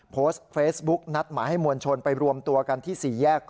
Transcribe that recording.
โพสต์เฟซบุ๊กนัดหมายให้มวลชนไปรวมตัวกันที่๔แยก